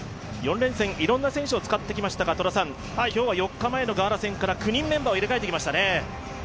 ４連戦、いろんな選手を使ってきましたが今日はガーナ戦から９人メンバーを入れ替えてきましたね。